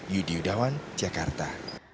yudi udawan jakarta